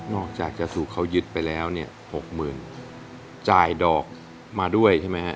อกจากจะสู่เขายึดไปแล้วเนี่ยหกหมื่นจ่ายดอกมาด้วยใช่ไหมฮะ